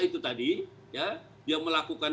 itu tadi dia melakukan